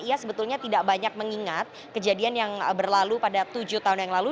ia sebetulnya tidak banyak mengingat kejadian yang berlalu pada tujuh tahun yang lalu